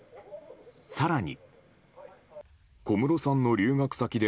更に。